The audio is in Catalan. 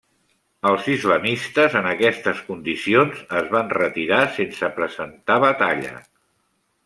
Els islamistes en aquestes condicions, es van retirar sense presentar batalla.